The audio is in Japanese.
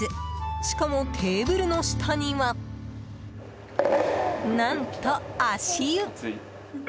しかも、テーブルの下には。何と、足湯！